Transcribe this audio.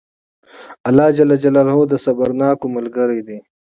الله جل جلاله د صبرناکو ملګری دئ!